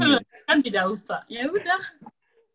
kan tidak usah ya udah